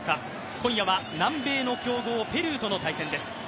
今夜は南米の強豪ペルーとの対戦です。